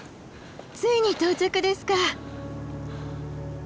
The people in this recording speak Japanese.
ついに到着ですか！